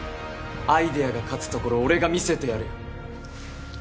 アイデアが勝つところを俺が見せてやるよ